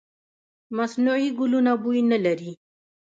مصنوعي ګلونه بوی نه لري.